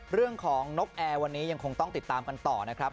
เรื่องของนกแอร์วันนี้ยังคงต้องติดตามกันต่อนะครับ